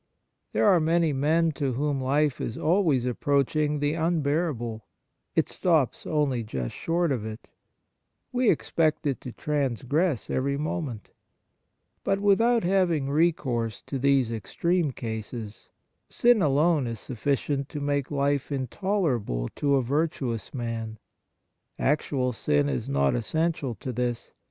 There are many men to whom life is always approaching the unbearable. It stops only just short of it. We expect it On Kindness in General 23 to transgress every moment. But without having recourse to these extreme cases, sin alone is sufficient to make Hfe intoler able to a virtuous man. Actual sin is not essential to this.